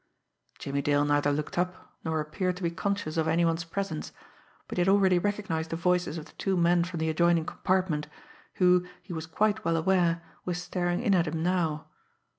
Jimmie Dale neither looked up, nor appeared to be conscious of any one's presence but he had already recognised the voices of the two men from the adjoining compartment, who, he was quite well aware, were staring in at him now.